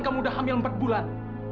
kamu udah hamil empat bulan